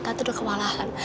tante udah kewalahan